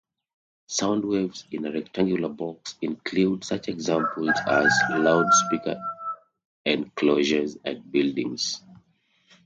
Sound waves in a rectangular box include such examples as loudspeaker enclosures and buildings.